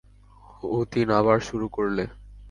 অতীন আবার শুরু করলে।